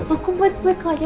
aku baik baik aja